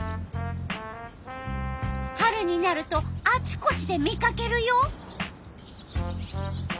春になるとあちこちで見かけるよ。